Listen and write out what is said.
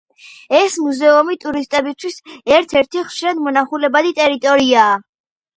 ეს მუზეუმი ტურისტებისთვის ერთ-ერთი ხშირად მონახულებადი ტერიტორიაა.